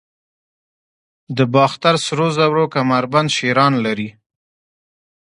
د باختر سرو زرو کمربند شیران لري